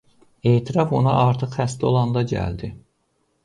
Etiraf ona artıq xəstə olanda gəldi.